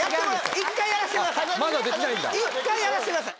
１回やらせてください。